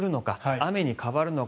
雨に変わるのか。